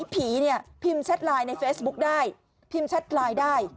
ผีเนี่ยพิมพ์แชทไลน์ในเฟซบุ๊คได้พิมพ์แชทไลน์ได้